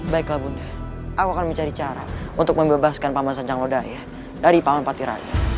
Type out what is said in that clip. baiklah bunda aku akan mencari cara untuk membebaskan paman sancang lodaya dari paman batiraka